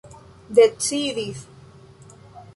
decidis